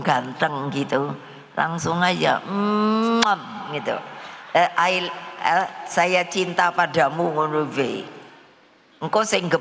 ganteng gitu langsung aja mom gitu eh saya cinta padamu ngono be